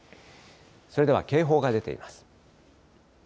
それでは、警報が出ています。